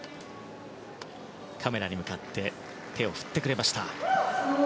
カメラに向かって手を振ってくれました。